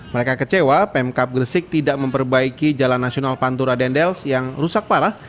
mereka kecewa pemkap gresik tidak memperbaiki jalan nasional pantura dendels yang rusak parah